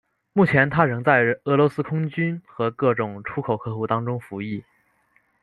目前它仍在俄罗斯空军和各种出口客户当中服役。